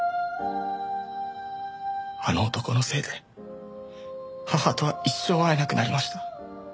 あの男のせいで母とは一生会えなくなりました。